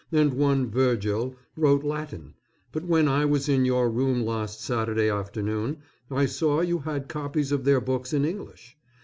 and one Virgil wrote Latin, but when I was in your room last Saturday afternoon I saw you had copies of their books in English.